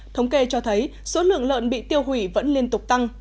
thống kê cho thấy số lượng lợn bị tiêu hủy vẫn liên tục tăng